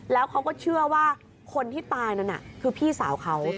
แล้วเขาก็เชื่อว่าคนที่ตายนั้นคือพี่สาวเขา